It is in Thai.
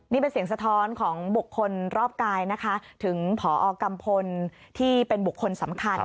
นี่เป็นเสียงสะท้อนของบุคคลรอบกายนะคะถึงผอกัมพลที่เป็นบุคคลสำคัญ